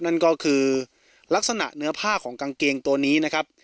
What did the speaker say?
นั่นก็คือลักษณะเนื้อผ้าของกางเกงตัวนี้นะครับ